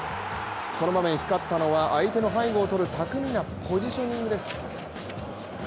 この場面、光ったのは相手の背後をとる巧みなポジショニングです。